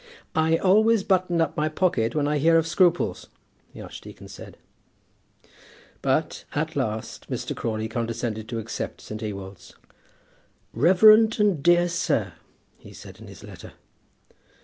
"I always button up my pocket when I hear of scruples," the archdeacon said. But at last Mr. Crawley condescended to accept St. Ewolds. "Reverend and dear Sir," he said in his letter.